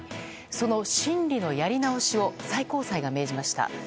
その審理のやり直しを最高裁が命じました。